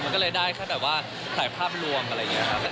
มันก็เลยได้แค่แบบว่าถ่ายภาพลวงอะไรอย่างนี้ครับ